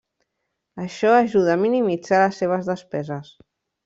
Això ajuda a minimitzar les seves despeses.